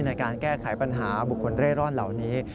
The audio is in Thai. ในการแก้ไขปัญหาบุคคลเร่ร่อนเหล่านี้